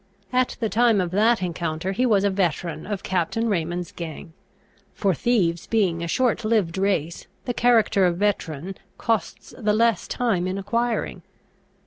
At the time of that encounter he was a veteran of Captain Raymond's gang; for thieves being a short lived race, the character of veteran costs the less time in acquiring.